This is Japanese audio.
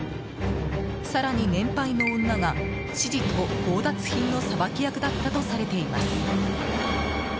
更に年配の女が指示と強奪品のさばき役だったとされています。